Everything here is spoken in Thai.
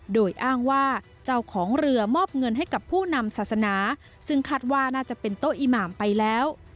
โดยอ้างว่าเจ้าของเรือมอบเงินให้กับผู้นำศาสนาซึ่งคาดว่าน่าจะเป็นโต๊ะอิหมามไปแล้ว